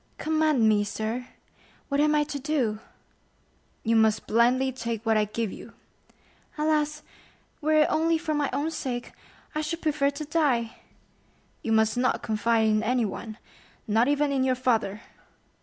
"Command me, sir—what am I to do?" "You must blindly take what I give you." "Alas, were it only for my own sake, I should prefer to die!" "You must not confide in anyone—not even in your father."